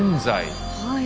はい。